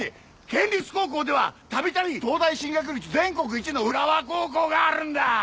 県立高校ではたびたび東大進学率全国１位の浦和高校があるんだ！